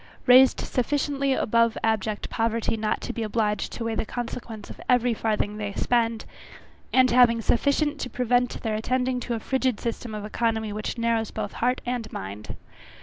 Raised sufficiently above abject poverty not to be obliged to weigh the consequence of every farthing they spend, and having sufficient to prevent their attending to a frigid system of economy which narrows both heart and mind.